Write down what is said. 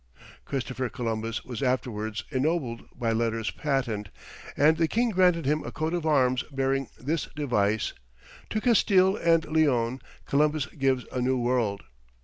Christopher Columbus was afterwards ennobled by letters patent, and the king granted him a coat of arms bearing this device: "To Castille and Leon, Columbus gives a New World."